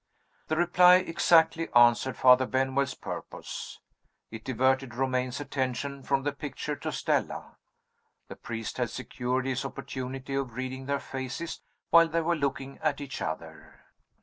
The reply exactly answered Father Benwell's purpose. It diverted Romayne's attention from the picture to Stella. The priest had secured his opportunity of reading their faces while they were looking at each other.